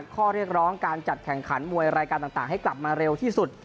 ข้อเรียกร้องการจัดแข่งขันมวยรายการต่างให้กลับมาเร็วที่สุด